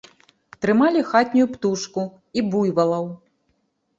Трымалі хатнюю птушку і буйвалаў.